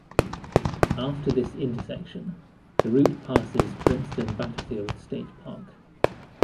After this intersection, the route passes Princeton Battlefield State Park.